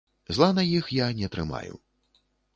Зла на іх я не трымаю.